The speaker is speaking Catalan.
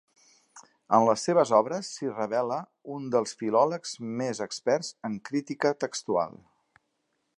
En les seves obres s'hi revela un dels filòlegs més experts en crítica textual.